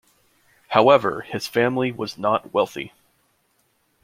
However, his family was not wealthy.